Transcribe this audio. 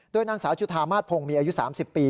โดยนางสาวจุธามาสพงมีอายุ๓๐ปี